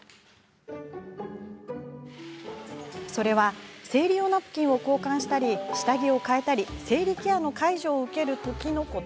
それは生理用ナプキンを交換したり、下着を替えたり生理ケアの介助を受けるときのこと。